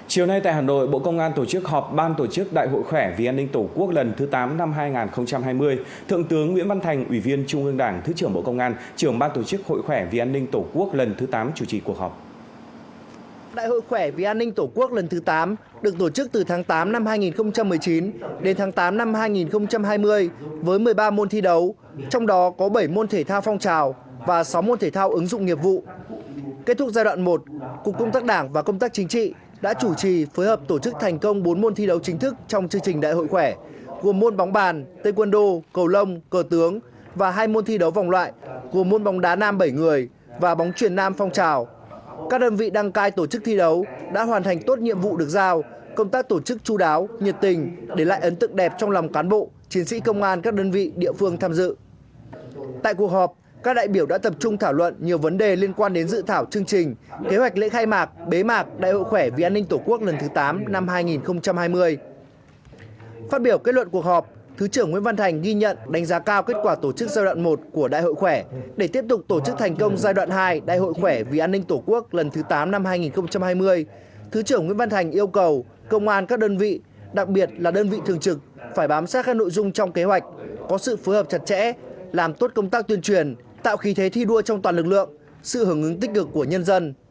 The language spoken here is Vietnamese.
thứ trưởng nguyễn văn thành yêu cầu công an các đơn vị đặc biệt là đơn vị thường trực phải bám sát các nội dung trong kế hoạch có sự phù hợp chặt chẽ làm tốt công tác tuyên truyền tạo khí thế thi đua trong toàn lực lượng sự hưởng ứng tích cực của nhân dân